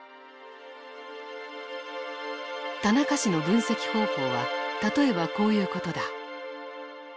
田中氏の分析方法は例えばこういうことだ。